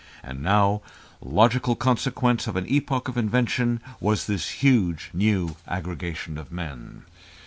And now, logical consequence of an epoch of invention, was this huge new aggregation of men.